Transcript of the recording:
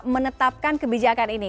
menetapkan kebijakan ini